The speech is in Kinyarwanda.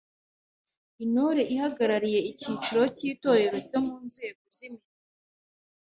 Intore ihagarariye icyiciro cy’Itorero ryo mu nzegoz’imirimo;